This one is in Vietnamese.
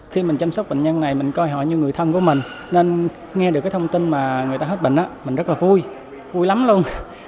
khi mình chăm sóc bệnh nhân này mình coi họ như người thân của mình nên nghe được cái thông tin mà người ta hết bệnh mình rất là vui vui lắm luôn